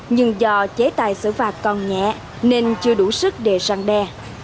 nhưng do chế tài sử vạc còn nhẹ nên chưa đủ sức để răng đe